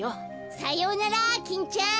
さようならキンちゃん。